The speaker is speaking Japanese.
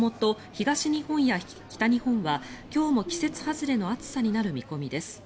東日本や北日本は今日も季節外れの暑さになる見込みです。